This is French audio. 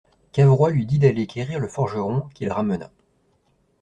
Cavrois lui dit d'aller quérir le forgeron, qu'il ramena.